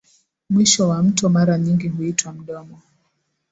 Mwisho wa mto mara nyingi huitwa mdomo